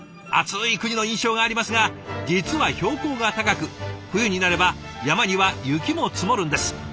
暑い国の印象がありますが実は標高が高く冬になれば山には雪も積もるんです。